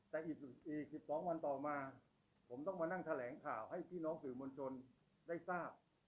แต่อีก๑๒วันต่อมาผมต้องมานั่งแถลงข่าวให้พี่น้องสื่อมวลชนได้ทราบ